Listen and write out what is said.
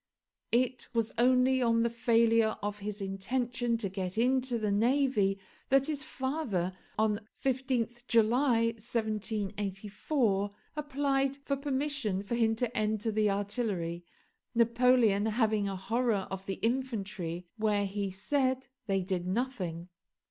It was only on the failure of his intention to get into the navy that his father, on 15th July 1784 applied for permission for him to enter the artillery; Napoleon having a horror of the infantry, where he said they did nothing.